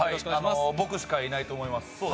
僕しかいないと思います。